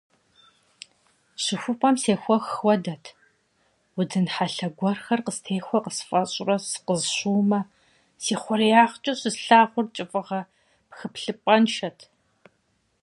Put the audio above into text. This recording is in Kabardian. ЩыхупӀэм сехуэх хуэдэт: удын хьэлъэ гуэрхэр къыстехуэ къысфӀэщӀурэ сыкъызэщыумэ, си хъуреягъкӀэ щыслъагъур кӀыфӀыгъэ пхыплъыпӀэншэт.